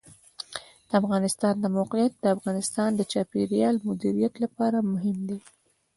د افغانستان د موقعیت د افغانستان د چاپیریال د مدیریت لپاره مهم دي.